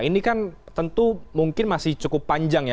ini kan tentu mungkin masih cukup panjang ya